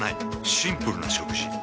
シンプルな食事。